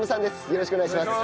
よろしくお願いします。